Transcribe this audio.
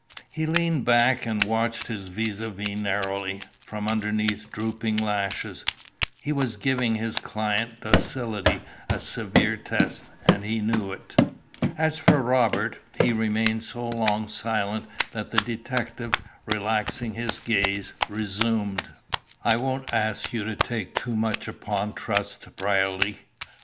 He leaned back and watched his vis à vis narrowly from underneath drooping lashes. He was giving his client's docility a severe test, and he knew it. As for Robert, he remained so long silent that the detective, relaxing his gaze, resumed "I won't ask you to take too much upon trust, Brierly.